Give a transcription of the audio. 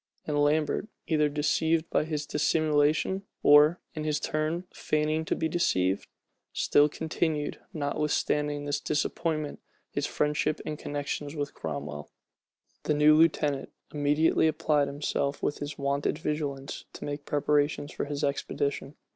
And Lambert, either deceived by his dissimulation, or, in his turn, feigning to be deceived, still continued, notwithstanding this disappointment his friendship and connections with Cromwell. The new lieutenant immediately applied himself with his wonted vigilance to make preparations for his expedition.